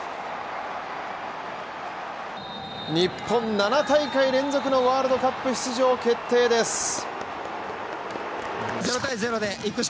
日本７大会連続のワールドカップ出場決定です。